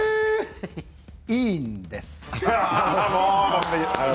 いいんです！